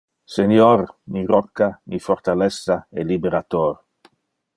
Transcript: Senior, mi rocca, mi fortalessa e liberator.